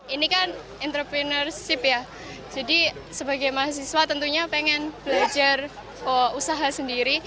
ini kan entrepreneurship ya jadi sebagai mahasiswa tentunya pengen belajar usaha sendiri